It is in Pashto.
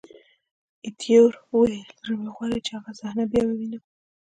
ایټور وویل: زړه مې غواړي چې هغه صحنه بیا ووینم.